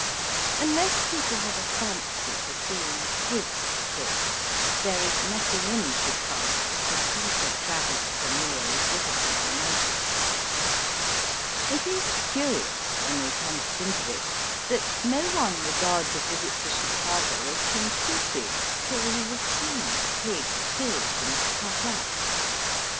Unless people have a fancy for seeing pigs killed, there is nothing in Chicago to keep a traveller familiar with Liverpool or Man chester. It is curious, when we come to think of it, that no one regards a visit to Chicago as completed till he has seen a pig killed and cut up.